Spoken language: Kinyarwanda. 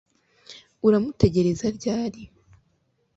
uramutegereza ryari